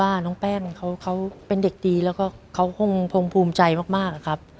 ว่าน้องแป้งเขาเป็นเด็กดีแล้วก็เขาคงภูมิใจมากนะครับ